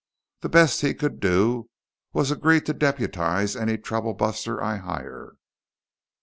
The best he could do was agree to deputize any troublebuster I hire."